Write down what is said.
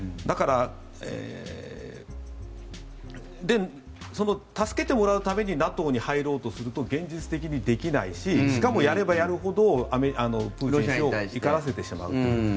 だから助けてもらうためにＮＡＴＯに入ろうとすると現実的にできないししかも、やればやるほどロシアを怒らせてしまうという。